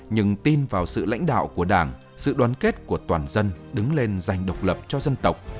nhưng tin vào sự lãnh đạo của đảng sự đoàn kết của toàn dân đứng lên giành độc lập cho dân tộc